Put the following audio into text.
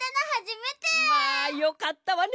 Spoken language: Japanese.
まあよかったわね